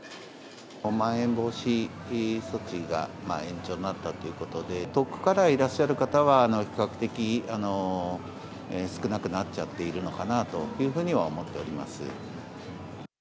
まん延防止措置が延長になったということで、遠くからいらっしゃる方は比較的少なくなっちゃっているのかなというふうには思っております。